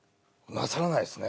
なさらないですね。